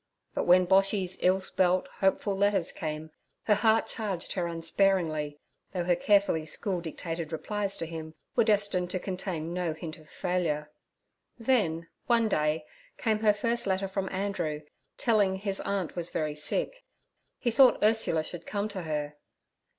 But when Boshy's ill spelt, hopeful letters came, her heart charged her unsparingly, though her carefully school dictated replies to him were destined to contain no hint of failure. Then, one day, came her first letter from Andrew, telling his aunt was very sick; he thought Ursula should come to her.